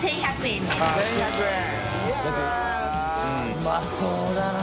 うまそうだな。